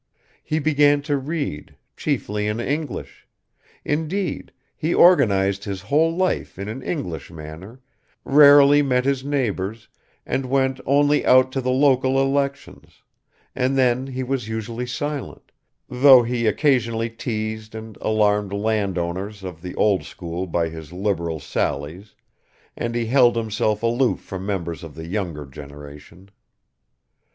He began to read, chiefly in English; indeed he organized his whole life in an English manner, rarely met his neighbors and went only out to the local elections, and then he was usually silent, though he occasionally teased and alarmed landowners of the old school by his liberal sallies, and he held himself aloof from members of the younger generation.